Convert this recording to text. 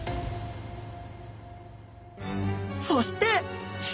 そして！